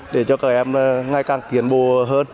để cho các em ngày càng tiến bộ hơn